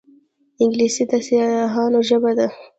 انګلیسي د سیاحانو ژبه ده